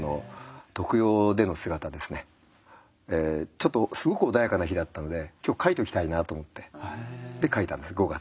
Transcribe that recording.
ちょっとすごく穏やかな日だったので今日描いときたいなと思ってで描いたんです５月に。